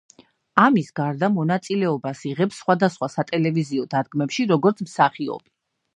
ამას გარდა, მონაწილეობას იღებს სხვადასხვა სატელევიზიო დადგმებში, როგორც მსახიობი.